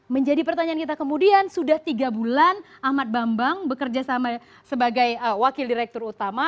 menjadi pertanyaan kita kemudian sudah tiga bulan ahmad bambang bekerja sama sebagai wakil direktur utama